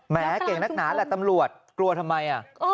เก่งนักหนาแหละตำรวจกลัวทำไม